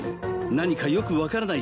何かよく分からない